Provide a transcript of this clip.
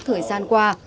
thời gian qua